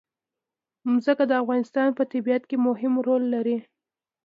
ځمکه د افغانستان په طبیعت کې مهم رول لري.